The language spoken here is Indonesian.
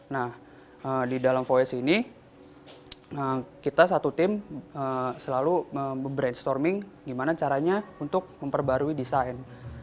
nah di dalam voyas ini kita satu tim selalu brainstorming gimana caranya untuk memperbarui desain